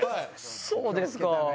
そうですか。